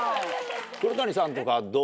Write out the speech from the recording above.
黒谷さんとかはどう？